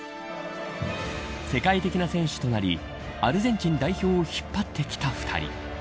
世界的な選手となりアルゼンチン代表を引っ張ってきた２人。